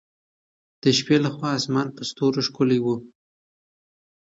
د شپې له خوا اسمان په ستورو ښکلی وي.